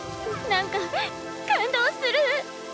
何か感動する。